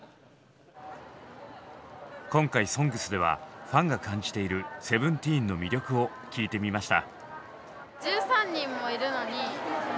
今回「ＳＯＮＧＳ」ではファンが感じているＳＥＶＥＮＴＥＥＮの魅力を聞いてみました。